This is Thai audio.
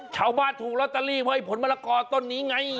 เช้าบ้านถูกละตารีไว้ให้ผลมะละกอต้นนี้ไง